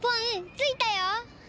ついたよ！